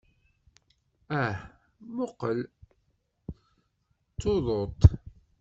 Ah, mmuqqel, d tuḍut!